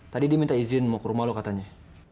tadi dia minta izin mau ke rumah lo katanya